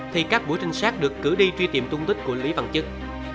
thì các buổi trinh sát được cử đi truy tìm tung tích của lý văn chức